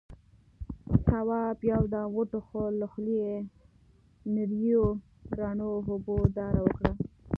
تواب يو دم وټوخل، له خولې يې نريو رڼو اوبو داره وکړه.